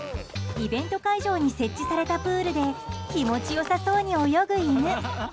イベント会場に設置されたプールで気持ち良さそうに泳ぐ犬。